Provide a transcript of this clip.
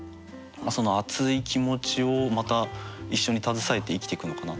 その熱い気持ちをまた一緒に携えて生きてくのかなっていう。